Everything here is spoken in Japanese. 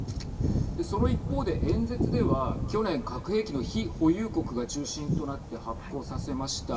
その一方で、演説では去年核兵器の非保有国が中心となって発効させました。